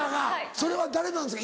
それは誰なんですか？